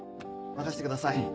任せてください。